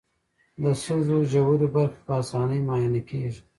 د سږو ژورې برخې په اسانۍ معاینه کېږي.